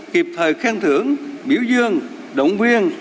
kịp thời khen thưởng biểu dương động viên